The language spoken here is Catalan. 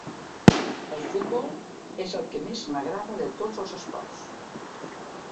El futbol és el que més m'agrada de tots els esports.